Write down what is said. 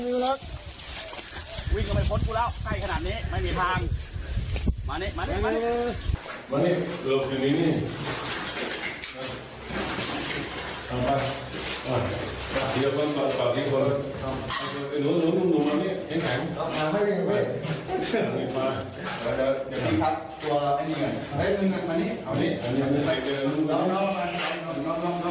วิ่งก็ไม่พ้นกูแล้วใกล้ขนาดนี้ไม่มีทางมานี่